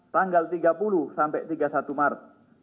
tanggal tiga puluh sampai tiga puluh satu maret